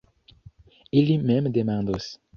Ili mem demandos.